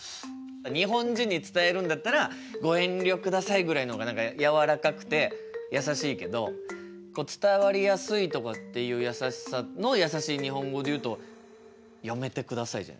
日本人に伝えるんだったら「ご遠慮ください」ぐらいのほうが何かやわらかくてやさしいけど伝わりやすいとかっていうやさしさのやさしい日本語で言うと「やめてください」じゃないの？